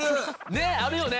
ねっあるよね？